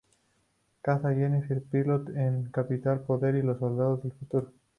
Caza Jennifer "Piloto" en Capitán Poder y los Soldados del Futuro.